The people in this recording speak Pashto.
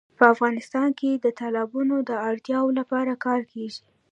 په افغانستان کې د تالابونو د اړتیاوو لپاره کار کېږي.